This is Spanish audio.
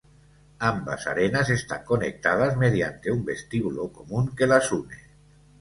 Ambas arenas están conectadas mediante un vestíbulo común que las une.